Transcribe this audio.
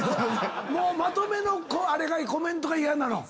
まとめのあれがコメントが嫌なの？